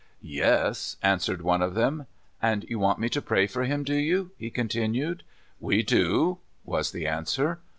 " Yes," answered one of them. "And you want me to pray for him, do you?" he continued. " We do," was the answer.